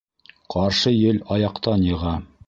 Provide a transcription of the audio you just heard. Ҡаршы ел аяҡтан йыға.